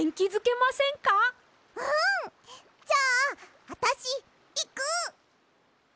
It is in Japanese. うん！じゃああたしいく！